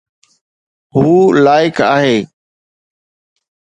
هو لائق آهي